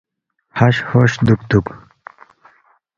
ہش ہُوش دُوکتُوک